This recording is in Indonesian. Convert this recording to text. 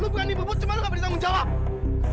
lo berani berbuat cuma lo gak peduli tanggung jawab